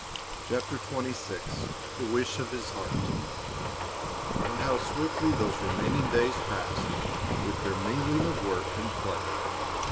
CHAPTER XXVI THE WISH OF HIS HEART And how swiftly those remaining days passed with their mingling of work and play!